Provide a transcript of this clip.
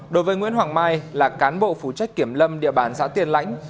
đối với nguyễn hoàng mai là cán bộ phụ trách kiểm lâm địa bàn xã tiên lãnh